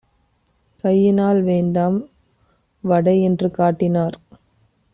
கையினால் "வேண்டாம் வடை" என்று காட்டினார்.